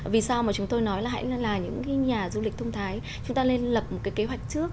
vì sao mà chúng tôi nói là hãy là những cái nhà du lịch thông thái chúng ta nên lập một cái kế hoạch trước